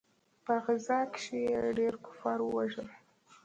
په غزا کښې يې ډېر کفار ووژل.